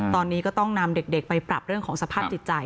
ตอนนี้ก็ต้องนำเด็กไปปรับเรื่องของสภาพจิตใจ